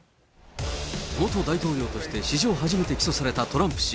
元大統領として史上初めて起訴されたトランプ氏。